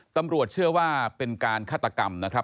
ตำรวจเชื่อว่าเป็นการฆาตกรรมนะครับ